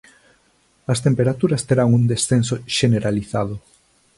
As temperaturas terán un descenso xeneralizado.